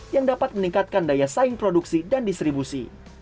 yang dapat meningkatkan daya saing produksi dan distribusi